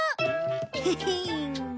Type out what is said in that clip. ヘヘン。